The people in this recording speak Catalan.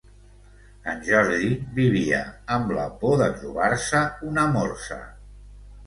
En Jordi vivia amb la por de trobar-se una morsa.